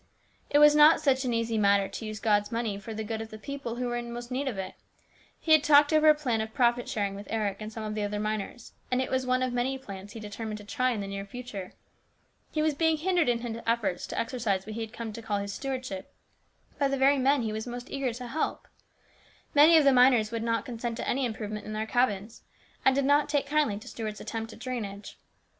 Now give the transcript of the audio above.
It was not such an easy matter to use God's money for the good of the people who were most in need of it. He had talked over a plan of profit sharing with Eric and some of the other miners, and it was one of many plans he determined to try in the near future. He was being hindered in his efforts to exercise what he had come to call his stewardship by the very men he was most eager to help. Many of the miners would not consent to any improvement in their cabins, and did not take kindly to Stuart's attempt at drainage.